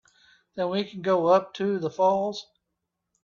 Then we can go up to the falls.